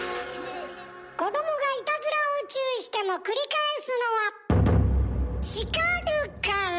子どもがいたずらを注意しても繰り返すのは叱るから。